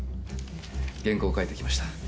原稿を書いてきました。